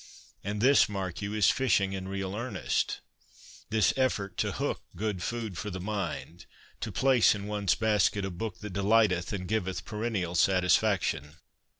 And this, mark you, is fishing in real earnest, this effort to ' hook ' good food for the mind, to place in one's basket a ' book that delighteth and giveth perennial satisfaction.'